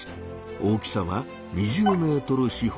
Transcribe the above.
大きさは２０ｍ四方。